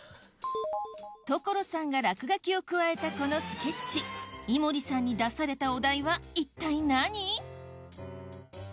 所さんが落書きを加えたこのスケッチ井森さんに出されたお題は一体何？